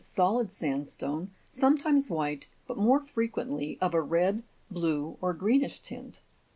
solid sandstone, sometimes white, but more frequently of a red, blue, or greenish tint.